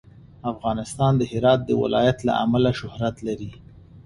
افغانستان د هرات د ولایت له امله شهرت لري.